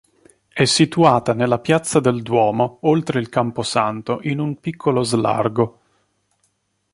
È situata nella piazza del Duomo, oltre il campo santo, in un piccolo slargo.